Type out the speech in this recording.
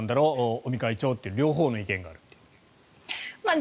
尾身会長という両方の意見がある。